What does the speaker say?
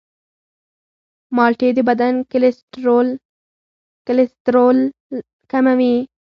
مالټې د بدن کلسترول کموي.